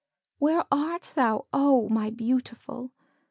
Where art thou, oh! my Beautiful?